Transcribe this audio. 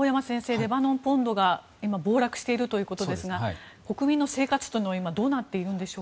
レバノンポンドが今暴落しているということですが国民の生活はどうなっているんでしょう。